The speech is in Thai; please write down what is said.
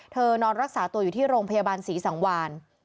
นอนรักษาตัวอยู่ที่โรงพยาบาลศรีสังวาน